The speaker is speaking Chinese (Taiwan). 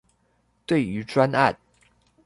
對於專案